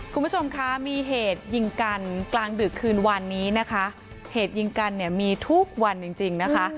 คุณผู้ชมคะมีเหตุยิงกันกลางดึกคืนวันนี้นะคะเหตุยิงกันเนี่ยมีทุกวันจริงจริงนะคะ